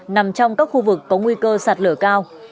nằm trong các khu vực có nguy cơ sạt lở cao